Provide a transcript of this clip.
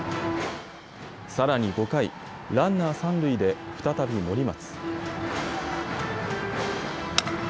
さらに５回、ランナー三塁で再び森松。